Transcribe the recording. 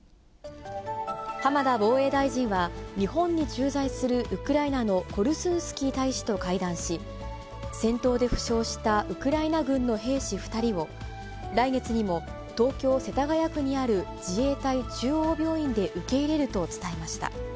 浜田防衛大臣は、日本に駐在するウクライナのコルスンスキー大使と会談し、戦闘で負傷したウクライナ軍の兵士２人を、来月にも、東京・世田谷区にある自衛隊中央病院で受け入れると伝えました。